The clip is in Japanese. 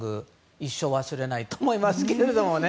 一生忘れないと思いますけれどもね。